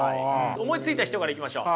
思いついた人からいきましょう。